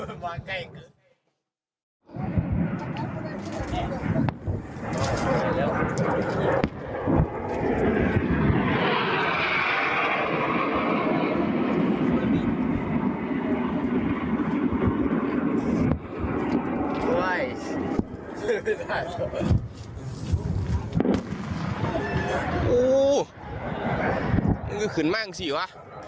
โอ้วนี่คือขึ้นมากสิวะ